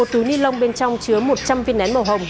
một túi ni lông bên trong chứa một trăm linh viên nén màu hồng